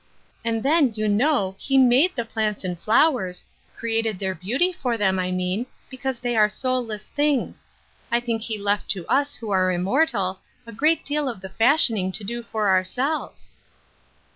"And then, you know, He made the plants and flowers — created their beauty for them, I mean, because they are soulless things — I think he left to us who are immortal, a great deal of the fashioning to do for ourselves."